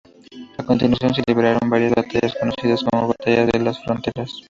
A continuación se libraron varias batallas conocidas como Batallas de las Fronteras.